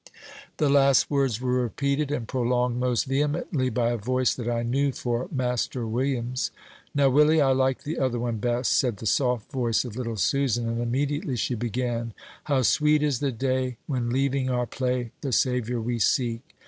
The last words were repeated and prolonged most vehemently by a voice that I knew for Master William's. "Now, Willie, I like the other one best," said the soft voice of little Susan; and immediately she began, "How sweet is the day, When, leaving our play, The Saviour we seek!